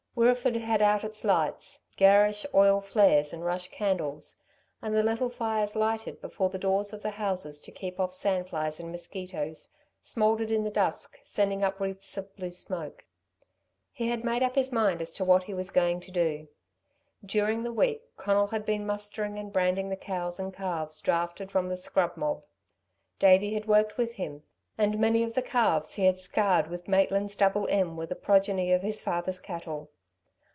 Wirreeford had out its lights garish oil flares and rush candles and the little fires lighted before the doors of the houses to keep off sand flies and mosquitoes, smouldered in the dusk, sending up wreaths of blue smoke. He had made up his mind as to what he was going to do. During the week Conal had been mustering and branding the cows and calves drafted from the scrub mob. Davey had worked with him, and many of the calves he had scarred with Maitland's double M. were the progeny of his father's cattle.